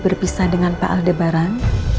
berpisah dengan pak aldebaran